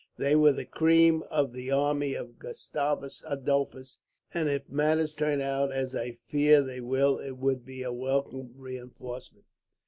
They were the cream of the army of Gustavus Adolphus, and if matters turn out as I fear they will, it would be a welcome reinforcement.'